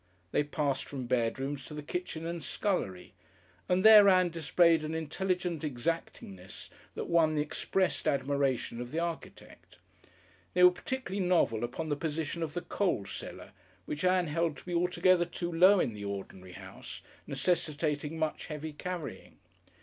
They passed from bedrooms to the kitchen and scullery, and there Ann displayed an intelligent exactingness that won the expressed admiration of the architect. They were particularly novel upon the position of the coal cellar, which Ann held to be altogether too low in the ordinary house, necessitating much heavy carrying.